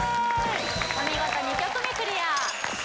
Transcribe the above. お見事２曲目クリア